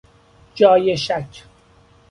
جای شک